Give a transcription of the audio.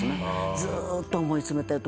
ずーっと思い詰めてると。